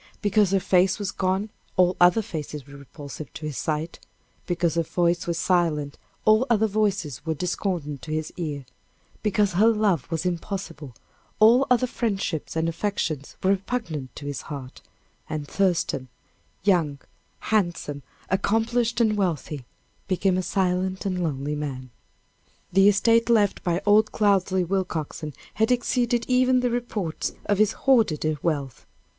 Because her face was gone, all other faces were repulsive to his sight; because her voice was silent, all other voices were discordant to his ear; because her love was impossible, all other friendships and affections were repugnant to his heart; and Thurston, young, handsome, accomplished and wealthy, became a silent and lonely man. The estate left by old Cloudesley Willcoxen had exceeded even the reports of his hoarded wealth.